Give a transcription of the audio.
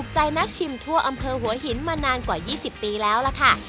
ใจนักชิมทั่วอำเภอหัวหินมานานกว่า๒๐ปีแล้วล่ะค่ะ